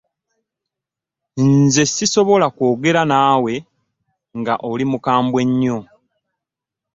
Nze sisobola kwogera naawe nga oli mukambwe nnyo.